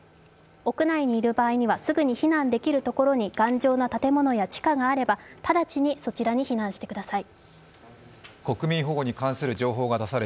屋内にいる場合には、すぐに避難できるところに、頑丈な建物や地下があれば直ちにそちらに避難してください。